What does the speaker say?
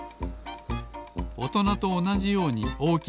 おとなとおなじようにおおきなあしです